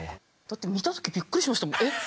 だって見た時びっくりしましたもん。